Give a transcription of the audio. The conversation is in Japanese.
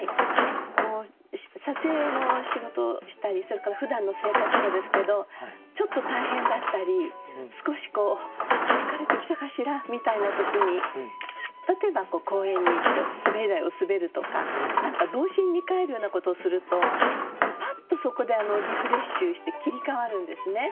撮影の仕事したりそれからふだんの生活もですけどちょっと大変だったり少しこう「疲れてきたかしら」みたいな時に例えば公園に行って滑り台を滑るとか何か童心に返るようなことをするとパッとそこでリフレッシュして切り替わるんですね。